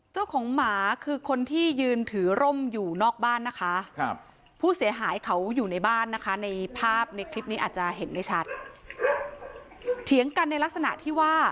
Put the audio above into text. เจ้าของหมากับตัวผู้เสียหายที่เขาเถียงกับตัวผู้เสียหายที่เขาเถียงกันนะคะ